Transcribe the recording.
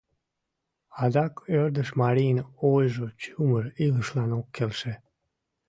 Адак ӧрдыж марийын ойжо чумыр илышлан ок келше.